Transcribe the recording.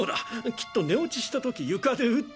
きっと寝落ちしたとき床で打って。